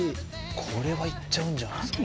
これは行っちゃうんじゃない？